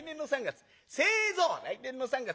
「来年の三月」。